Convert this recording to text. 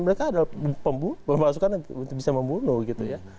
mereka adalah pembunuh pembawa asukan yang bisa membunuh gitu ya